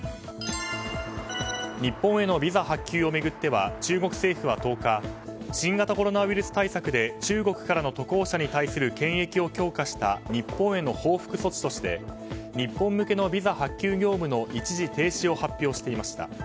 日本へのビザ発給を巡っては中国政府は１０日新型コロナウイルス対策で中国からの渡航者に対する検疫を強化した日本への報復措置として日本向けのビザ発給業務の一時停止を発表していました。